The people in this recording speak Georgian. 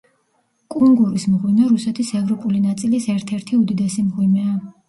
კუნგურის მღვიმე რუსეთის ევროპული ნაწილის ერთ-ერთი უდიდესი მღვიმეა.